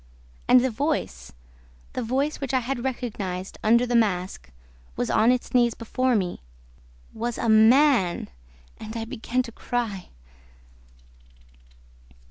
And the voice, the voice which I had recognized under the mask, was on its knees before me, WAS A MAN! And I began to cry...